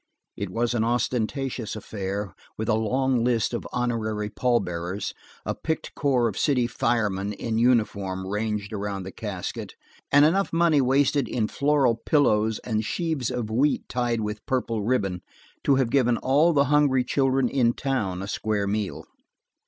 It was an ostentatious affair, with a long list of honorary pallbearers, a picked corps of city firemen in uniform ranged around the casket, and enough money wasted in floral pillows and sheaves of wheat tied with purple ribbon, to have given all the hungry children in town a square meal.